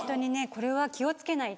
これは気を付けないと。